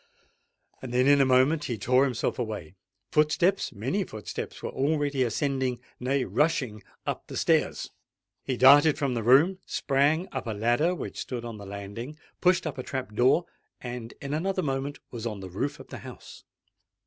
Then in a moment he tore himself away:—footsteps—many footsteps were already ascending—nay, rushing up—the stairs. He darted from the room, sprang up a ladder which stood on the landing—pushed up a trap door—and in another moment was on the roof of the house.